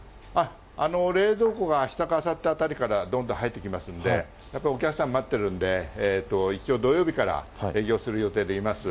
冷蔵庫があしたかあさってあたりから、どんっと入ってきますんで、やっぱりお客さん待ってるんで、一応土曜日から営業する予定でいます。